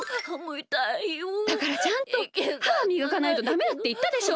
だからちゃんとははみがかないとダメだっていったでしょ！